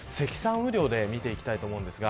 雨量で見ていきたいと思います。